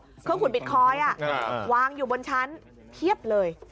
เครื่องขุดบิตคอยน์วางอยู่บนชั้นเพียบเลย